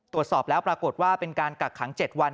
ตรวจสอบแล้วปรากฏว่าเป็นการกักขัง๗วัน